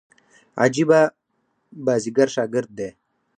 عجبه بازيګر شاګرد دئ.